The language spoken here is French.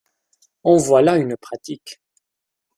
En voilà une pratique !…